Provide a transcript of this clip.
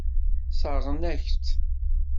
Sseṛɣen-ak-tt.